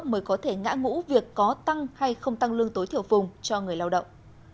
mới có thể ngã ngũ việc có tăng hay không tăng lương tối thiểu vùng cho người lao động